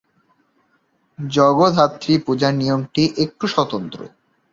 জগদ্ধাত্রী পূজার নিয়মটি একটু স্বতন্ত্র।